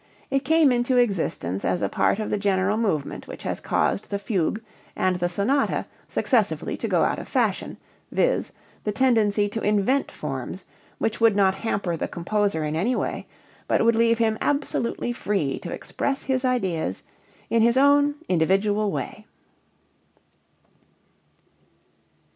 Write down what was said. It came into existence as a part of the general movement which has caused the fugue and the sonata successively to go out of fashion, viz., the tendency to invent forms which would not hamper the composer in any way, but would leave him absolutely free to express his ideas in his own individual way.